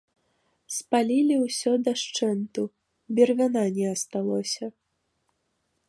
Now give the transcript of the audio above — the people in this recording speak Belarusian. Спалілі ўсё дашчэнту, бервяна не асталося.